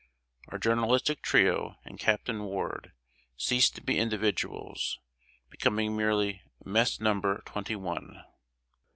Our journalistic trio and Captain Ward ceased to be individuals, becoming merely "Mess Number Twenty one."